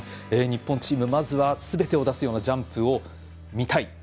日本チームまずはすべてを出すようなジャンプを見たい。